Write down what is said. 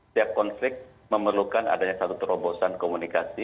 setiap konflik memerlukan adanya satu terobosan komunikasi